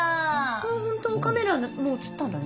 カメラもう映ったんだね。